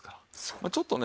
まあちょっとね